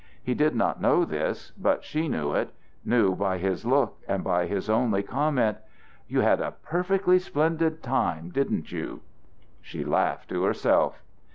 He did not know this; but she knew it, knew by his look and by his only comment: "You had a perfectly splendid time, didn't you?" She laughed to herself.